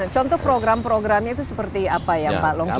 contoh program programnya itu seperti apa ya pak longki